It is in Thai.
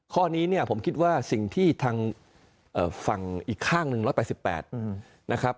ข้อนี้เนี่ยผมคิดว่าสิ่งที่ทางฝั่งอีกข้างหนึ่ง๑๘๘นะครับ